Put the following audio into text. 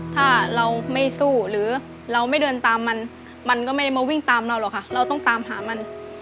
ถ้าเราไม่สู้หรือเราไม่เดินตามมันมันก็ไม่ได้มาวิ่งตามเราหรอกค่ะเราต้องตามหามัน